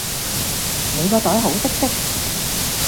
你個袋好的識